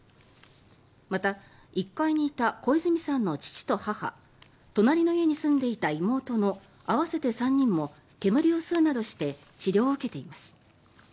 また１階にいた小泉さんの父と母隣の家に住んでいた妹の合わせて３人も煙を吸うなどして治療を受けています。